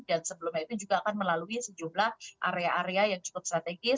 dan sebelumnya itu juga akan melalui sejumlah area area yang cukup strategis